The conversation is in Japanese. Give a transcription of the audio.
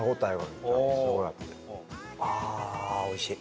おいしい？